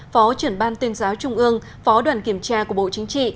phó trưởng ban tuyên giáo trung ương phó đoàn kiểm tra của bộ chính trị